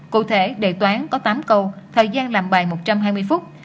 cụ thể đề toán có tám câu thời gian làm bài một trăm hai mươi phút